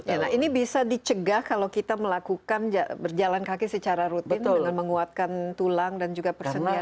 nah ini bisa dicegah kalau kita melakukan berjalan kaki secara rutin dengan menguatkan tulang dan juga persendian